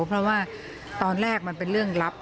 เพราะว่าตอนแรกมันเป็นเรื่องลับ